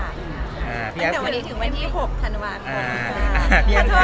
ตั้งแต่วันนี้ถึงวันที่๖ธันวาคม